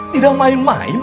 tidak main main ucuy